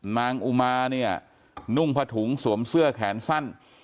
อุมาเนี่ยนุ่งผถุงสวมเสื้อแขนสั้น